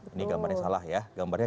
ini gambarnya salah ya gambarnya